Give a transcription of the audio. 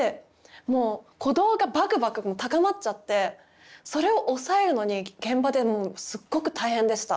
もう鼓動がバクバク高まっちゃってそれを抑えるのに現場でもうすっごく大変でした。